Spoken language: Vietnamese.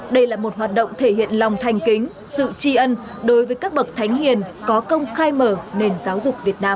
đây là một hoạt động thể hiện lòng thành kính sự tri ân đối với các bậc thánh hiền có công khai mở nền giáo dục việt nam